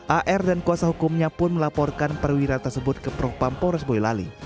ar dan kuasa hukumnya pun melaporkan perwira tersebut ke prokpam pores boyolali